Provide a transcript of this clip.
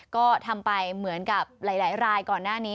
ก็ทำไปเหมือนกับหลายรายก่อนหน้านี้